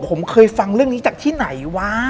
ผมเคยฟังเรื่องนี้จากที่ไหนวะ